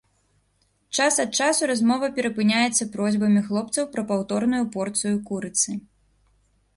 Час ад часу размова перапыняецца просьбамі хлопцаў пра паўторную порцыю курыцы.